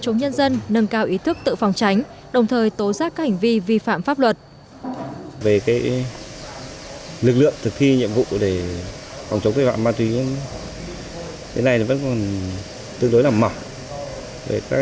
nâng cao ý thức tự phòng tránh đồng thời tố giác các hành vi vi phạm pháp luật